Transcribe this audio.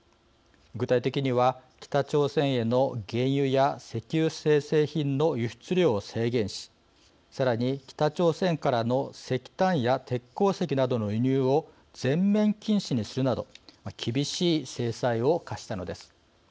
具体的には北朝鮮への原油や石油精製品の輸出量を制限しさらに、北朝鮮からの石炭や鉄鉱石などの輸入を全面禁止にするなど厳しい制裁を科したのです。